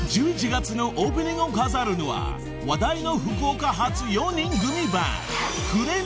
［１１月のオープニングを飾るのは話題の福岡発４人組バンド］